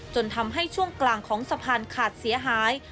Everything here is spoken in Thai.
จนทำให้ช่วงกลางของสะพานขาดเสียหาย